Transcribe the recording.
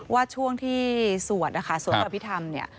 ว่าช่วงที่สวดอภิษฐรรมเนี่ย